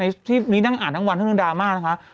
ที่นี่ทั่งอ่านทั้งวันอย่างระดับรสองเรือดรามา